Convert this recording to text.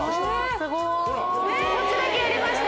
あすごいこっちだけやりました